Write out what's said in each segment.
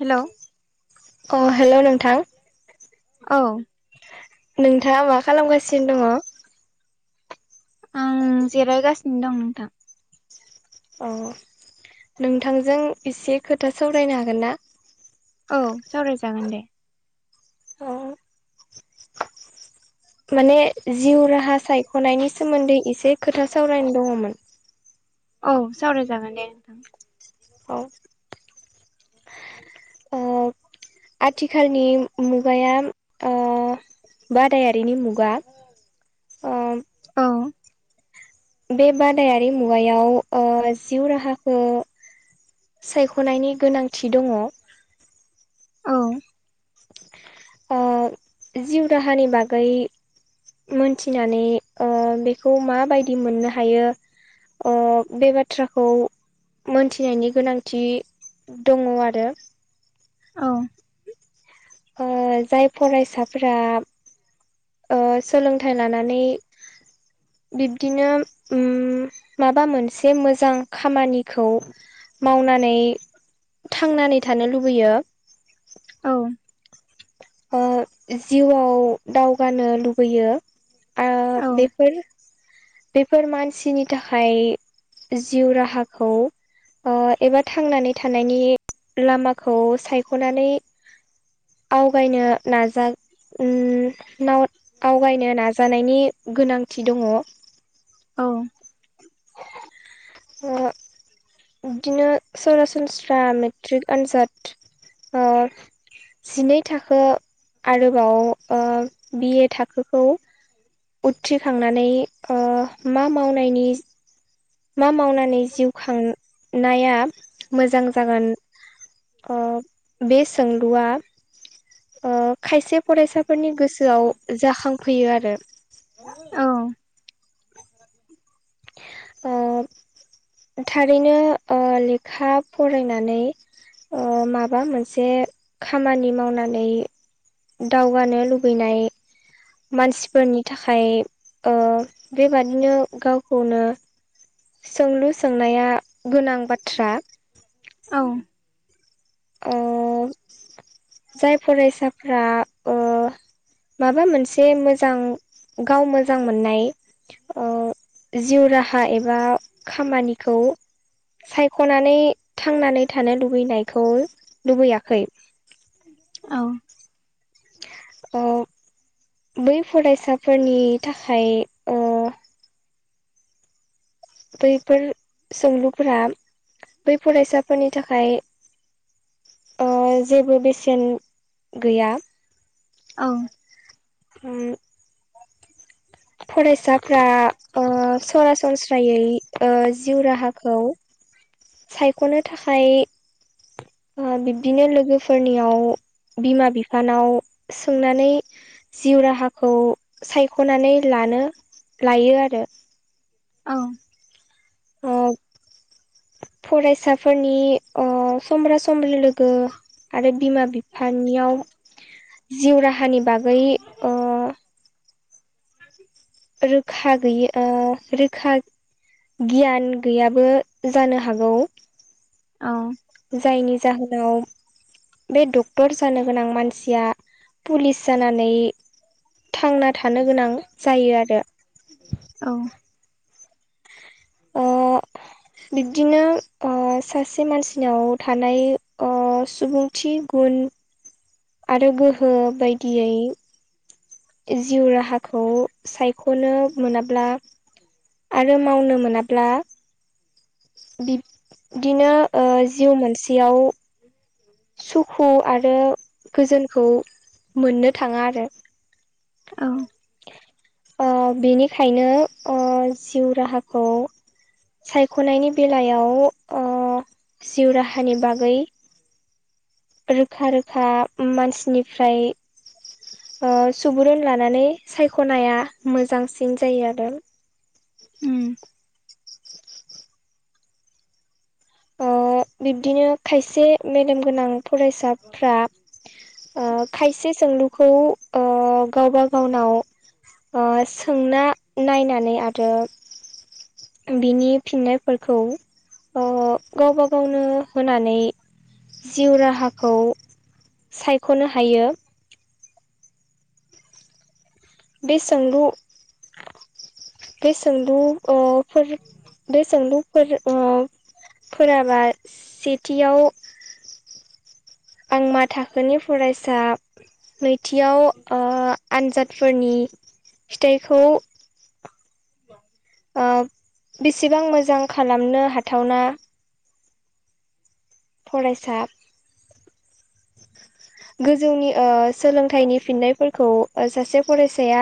हेल' अ हेल' नोंथां औ नोंथाङा मा खालामगासिनो दङ आं जिरायगासिनो दं नोंथां औ औ नोंथांजों एसे खोथा सावरायनो हागोन ना औ सावराय जागोन दे अ माने जिउ राहा सायख'नायनि सोमोन्दै एसे खोथा सावरायनो दङमोन औ सावराय जागोन दे नोंथां औ ओ [unintelligible] आथिखालनि मुगाया ओ बादायारिनि मुगा ओ औ बे बादायारि मुगायाव ओ जिउ राहाखौ सायख'नायनि गोनांथि दङ औ ओ जिउ राहानि बागै मोनथिनानै ओ बेखौ माबायदि मोननो हायो ओ बे बाथ्राखौ मोनथिनायनि गोनांथि दङ आरो औ ओ जाय फरायसाफोरा ओ सोलोंथाइ लानानै [unintelligible] बिब्दिनो ओ माबा मोनसे मोजां खामानिखौ मावनानै थांनानै थानो लुबैयो औ ओ जिउआव दावगानो लुबैयो ओ औ बेफोर बेफोर मानसिनि थाखाय जिउ राहाखौ ओ एबा थांनानै थानायनि लामाखौ सायख'नानै आ आवगायनो नाजा ओ आवगायनो नाजानायनि गोनांथि दङ औ ओ बिदिनो सरासनस्रा मेट्रिक आनजाद ओ जिनै थाखो आरोबाव बि ए थाखोखौ उथ्रिखांनानै ओ मा मावनायनि मा मावनानै जिउ खांनाया मोजां जागोन ओ बेसोंलुआ ओ खायसे फरायसाफोरनि गोसोआव जाखांफैयो आरो औ ओ [inaudible] थारैनो ओ लेखा फरायनानै ओ माबा मोनसे खामानि मावनानै दावगानो लुबैनाय मानसिफोरनि थाखाय ओ बेबादिनो गावखौनो सोंलु सोंनाया गोनां बाथ्रा औ ओ [inaudible] जाय फरायसाफोरा ओ माबा मोनसे मोजां गाव मोजां मोननाय ओ जिउ राहा एबा खामानिखौ सायख'नानै थांनानै थानो लुबैनायखौ लुबैयाखै औ अ बै फरायसाफोरनि थाखाय ओ बैफोर सोंलुफोरा बै फरायसाफोरनि थाखाय ओ जेबो बेसेन गैया औ [unintelligible] फरायसाफ्रा ओ सरासनस्रायै ओ जिउ राहाखौ सायख'नो थाखाय ओ बिब्दिनो लोगोफोरनियाव बिमा बिफानाव सोंनानै जिउ राहाखौ सायख'नानै ला लायो आरो औ ओ फरायसाफोरनि अ समब्रा समब्रि लोगो आरो बिमा बिफानियाव जिउ राहानि बागै ओ रोखा गैयि ओ रोखा गियान गैयाबो जानो हागौ औ जायनि जाहोनाव बे डक्टर जानो गोनां मानसिया पुलिस जानानै थांना थानो गोनां जायो आरो औ [inaudible] बिबदिनो ओ सासे मानसिनाव थानाय ओ सुबुंथि गुन आरो गोहो बायदियै जिउ राहाखौ सायख'नो मोनाब्ला आरो मावनो मोनाब्ला बिबदिनो ओ जिउ मोनसेयाव सुखु आरो गोजोनखौ मोननो थाङा आरो। औ अ बिनिखायनो अ जिउ राहाखौ सायख'नायनि बेलायाव अ जिउ राहानि बागै रोखा-रोखा मानसिनिफ्राय अ सुबुरुन लानानै सायख'नाया मोजांसिन जायो आरो। उम अ बिब्दिनो खायसे। मेेलेमगोनां फरायसाफ्रा अ खायसे। सोंलुखौ अ गावबा गावनाव अ सोंना नायनानै आरो बिनि फिननायफोरखौ अ गावबा गावनो होनानै। जिउ राहाखौ सायख'नो हायो। बे सोंलु बे सोंलु अ फोर बे सोंलुफोर अ फोराबा सेथियाव आं मा थाखोनि फरायसा नैथियाव अ आनजाद- फोरनि फिथाइखौ अ बेसेबां मोजां खालामनो हाथावना। फरायसा [inaudible] गोजौनि अ सोलोंथाइनि फिननायफोरखौ अ सासे फरायसाया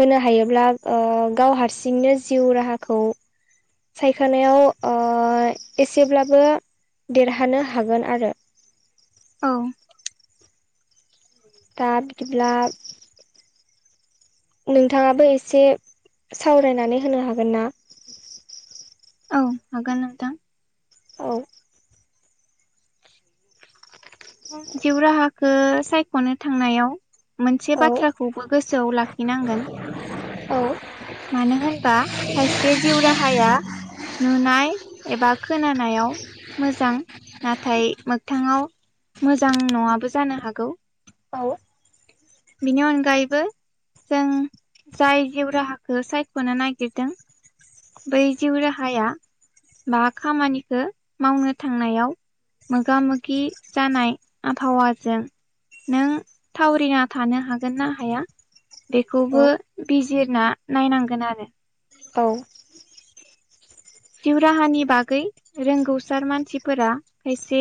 होनो हायोब्ला अ गाव हारसिंनो जिउ राहाखौ सायखानायाव अ एसेब्लाबो देरहानो हागोन आरो। औ दा बिदिब्ला नोंथाङाबो एसे सावरायनानै होनो हागोन ना? औ हागोन नोंथां। औ ओ सायख'नो थांनायाव मोनसे औ बाथ्राखौबो गोसोआव लाखिनांगोन। औ मानो होनबा खायसे जिउ राहाया नुनाय एबा खोनानायाव मोजां नाथाय मोगथाङाव मोजां नङाबो जानो हागौ। औ बिनि अनगायैबो जों जाय जिउ राहाखौ सायख'नो नागिरदों बै जिउ राहाया बा खामानिखौ मावनो थांनायाव मोगा मोगि जानाय आबहावाजों नों थावरिना थानो हागोन ना हाया औ बेखौबो बि- जिरना नायनांगोन आरो औ जिउ राहानि बागै रोंगौसार मानसिफोरा खायसे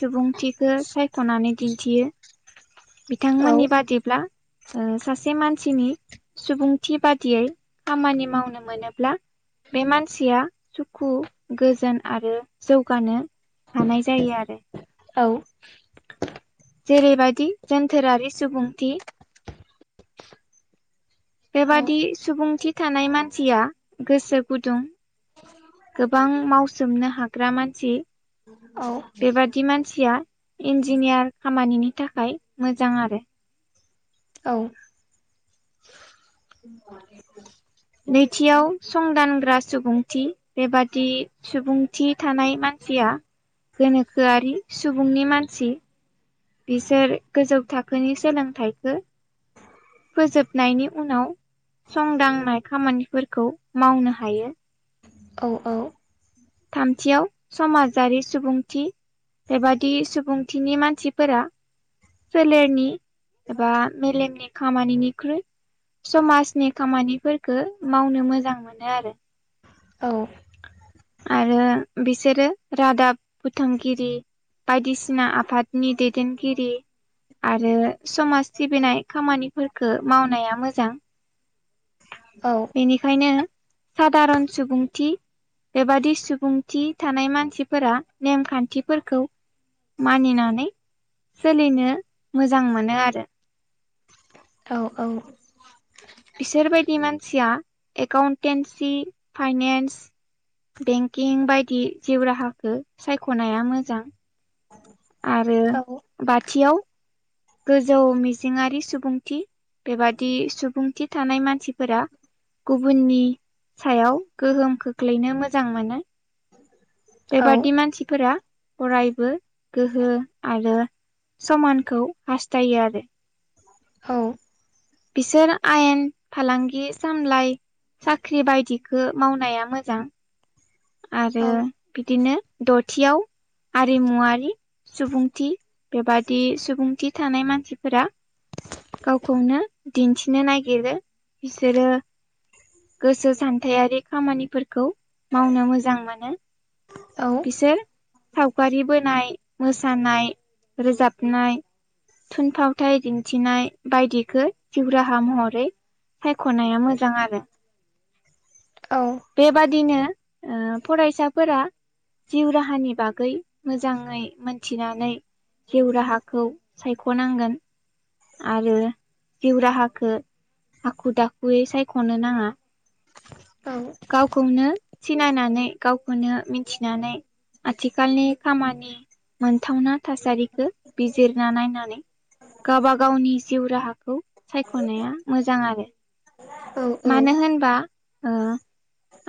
सुबुंथिखो। सायख'नानै दिन्थियो बिथांमोननि बादिब्ला अ सासे मानसिनि सुबुंथि बादियै खामानि मावनो मोनोब्ला बे मानसिया सुखु गोजोन आरो जौगानो हानाय जायो आरो। औ जेरैबायदि जोनथोरारि सुबुंथि औ बेबादि सुबुंथि थानाय मानसिया गोसो गुदुं। गोबां मावसोमनो हाग्रा मानसि। बेबादि मानसिया इन्जिनियार खामानिनि थाखाय मोजां आरो। औ। नैथियाव संदानग्रा सुबुंथि बेबादि सुबुंथि थानाय मानसिया गोनोखोआरि सुबुंनि मानसि। बिसोर गोजौ थाखोनि सोलोंथाइखो फोजोबनायनि उनाव संदांनाय खामानिफोरखौ मावनो हायो। औ औ। थामथियाव समाजारि सुबुंथि। बेबादि सुबुंथिनि मानसिफोरा सोलेरनि एबा मेलेमनि खामानिनिख्रुइ समाजनि खामानिफोरखो मावनो मोजां मोनो आरो। औ। आरो बिसोरो रादाब बोथांगिरि बायदिसिना आफादनि दैदेनगिरि आरो समाज सिबिनाय खामानिफोरखो मावनाया मोजां। बेनिखायनो सादारन सुबुंथि बेबादि सुबुंथि थानाय मानसिफोरा नेमखान्थिफोरखौ मानिनानै सोलिनो मोजां मोनो आरो। औ औ। बिसोरबायदि मानसिया एकाउन्टेन्सि, फाइनेन्स, बेंकिं बायदि जिउ राहाखो सायख'नाया मोजां। आरो औ बाथियाव, गोजौ मिजिंङारि सुबुंथि बेबादि सुबुंथि थानाय मानसिफोरा गुबुननि सायाव गोहोम खोख्लैनो मोजां मोनो। बेबादि मानसिफोरा अरायबो गोहो आरो समानखौ हास्थायो आरो। औ। बिसोर आयेन फालांगि सामलाय साख्रि बायदिखो मावनाया मोजां। आरो बिदिनो दथियाव आरिमुवारि सुबुंथि, बेबादि सुबुंथि थानाय मानसिफोरा गावखौनो दिन्थिनो नागिरो‌। बिसोरो गोसो सान्थायारि खामानिफोरखौ मावनो मोजां मोनो। बिसोर सावगारि बोनाय, मोसानाय, रोजाबनाय, थुनफावथाय दिन्थिनाय बायदिखो जिउ राहा महरै सायख'नाया मोजां आरो। बेबादिनो ओ फरायसाफोरा जिउ राहानि बागै मोजाङै मोन्थिनानै जिउ राहाखौ सायख'नांगोन। आरो जिउ राहाखो हाखु दाखुयै सायख'नो नाङा। औ गावखौनो सिनायनानै गावखौनो मिथिनानै आथिखालनि खामानि मोनथावना थासारिखो बिजिरना नायनानै गाबा गावनि जिउ राहाखौ सायख'नाया मोजां आरो। औ औ मानो होनबा ओ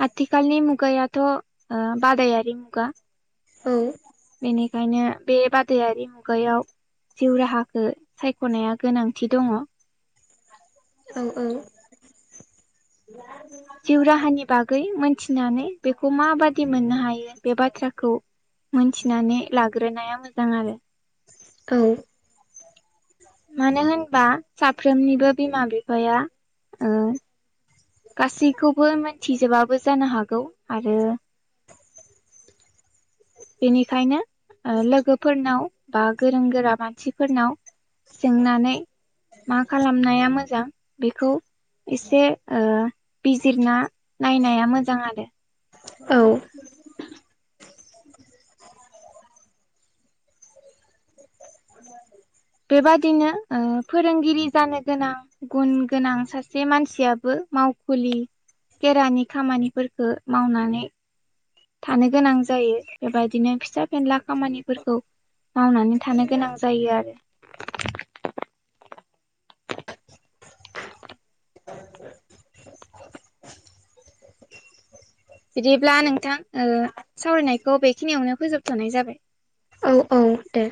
आथिखालनि मुगायाथ' ओ बादायारि मुगा। औ। बेनिखायनो बे बादायारि मुगायाव जिउ राहाखौ सायखनाया गोनांथि दङ औ औ। मिथिनानै बेखौ माबादि मोननो हायो बे बाथ्राखौ। मोनथिनानै लाग्रोनाया मोजां आरो। औ। मानो होनबा साफ्रोमनिबो बिमा बिफाया ओ। गासैखौबो मोनथिजोबाबो जानो हागौ आरो। बेनिखायनो लोगोफोरनाव ओ बा गोरों गोरा मानसिफोरनाव। सोंनानै मा खालामनाया मोजां बेखौ। एसे ओ बिजिरना नायनाया मोजां आरो। औ। बेबादिनो ओ फोरोंगिरि जानो गोनां गुन गोनां सासे मानसियाबो। मावखुलि खेरानि खामानिफोरखौ मावनानै। थानो गोनां जायो बेबायदिनो फिसा फेनला खामानिफोरखौ। मावनानै थानो गोनां जायो आरो। बिदिब्ला नोंथां ओ सावरायनायखौ बेखिनियावनो फोजोबथनाय जाबाय। औ औ दे।